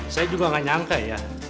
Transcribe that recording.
saya juga gak nyangka ya